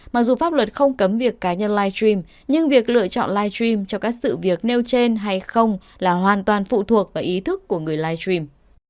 mặc dù pháp luật không cấm việc cá nhân livestream nhưng việc lựa chọn livestream cho các sự việc nêu trên hay không là hoàn toàn phụ thuộc vào ý thức của người livestream